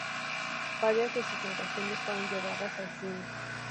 Varias de sus narraciones fueron llevadas al cine.